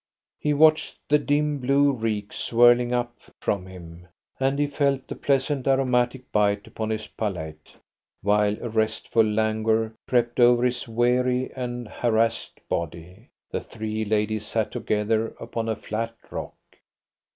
He watched the dim blue reek swirling up from him, and he felt the pleasant aromatic bite upon his palate, while a restful languor crept over his weary and harassed body. The three ladies sat together upon a flat rock.